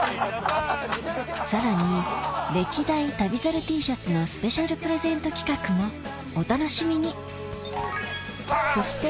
さらに歴代旅猿Ｔシャツのスペシャルプレゼント企画もお楽しみにそして